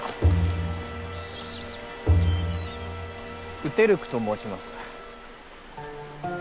ウテルクと申します。